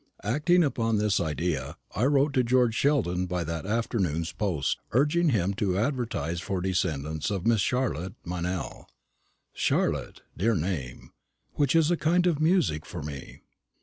Acting upon this idea, I wrote to George Sheldon by that afternoon's post, urging him to advertise for descendants of Miss Charlotte Meynell. Charlotte! dear name, which is a kind of music for me.